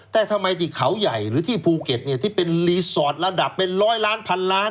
แต่ทำไมที่เขาใหญ่หรือที่ภูเก็ตที่เป็นรีสอร์ทระดับเป็นร้อยล้านพันล้าน